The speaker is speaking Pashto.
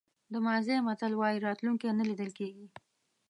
د مازی متل وایي راتلونکی نه لیدل کېږي.